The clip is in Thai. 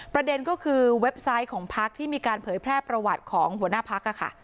ประเด็นก็คือเว็บไซต์ของพักที่มีการเผยแพร่ประวัติของหัวหน้าพักค่ะ